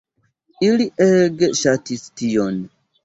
Ili ege ŝatis tion.